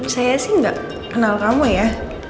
saya sih nggak kenal kamu ya